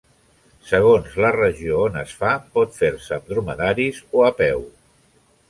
Segons la regió on es fa, pot fer-se amb dromedaris o a peu.